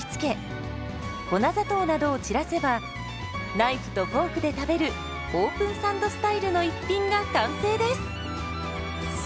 ナイフとフォークで食べるオープンサンドスタイルの一品が完成です。